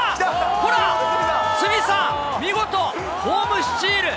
ほら、鷲見さん、見事、ホームスチール。